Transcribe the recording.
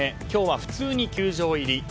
今日は普通に球場入り。